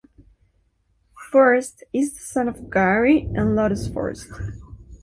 Furst is the son of Gary and Lotus Furst.